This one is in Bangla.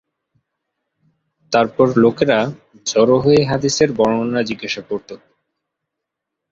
তারপর লোকেরা জড়ো হয়ে হাদীসের বর্ণনা জিজ্ঞাসা করত।